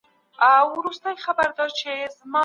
د خوړو په وخت کې تلویزیون مه ګورئ.